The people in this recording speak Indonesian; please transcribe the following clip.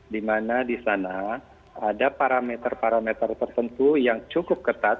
di mana di sana ada parameter parameter tertentu yang cukup ketat